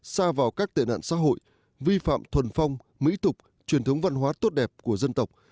xa vào các tệ nạn xã hội vi phạm thuần phong mỹ tục truyền thống văn hóa tốt đẹp của dân tộc